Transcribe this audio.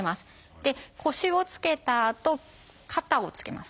で腰をつけたあと肩をつけます。